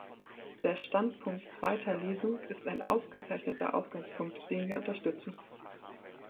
Der Standpunkt zweiter Lesung ist ein ausgezeichneter Ausgangspunkt, den wir unterstützen.